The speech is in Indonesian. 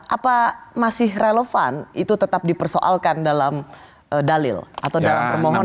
apa masih relevan itu tetap dipersoalkan dalam dalil atau dalam permohonan